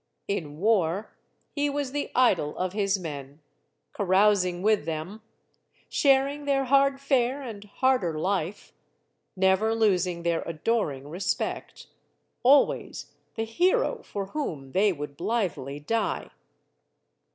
In war, he was the idol of his men, carousing with them, sharing their hard fare and harder life, never losing their adoring respect, always the hero for whom they would blithely die.